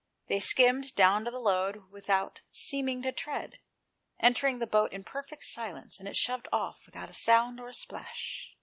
They skimmed down to the Lode without seem ing to tread, entered the boat in perfect silence, and shoved it off without sound or splash.